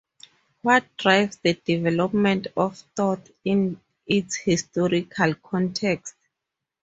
What drives the development of thought in its historical context?